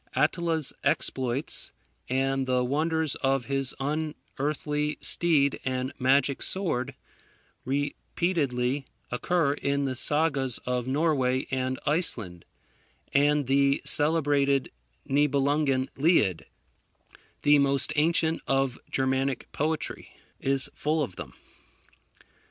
Attila's exploits, and the wonders of his unearthly steed and magic sword, repeatedly occur in the Sagas of Norway and Iceland; and the celebrated Niebelungen Lied, the most ancient of Germanic poetry, is full of them.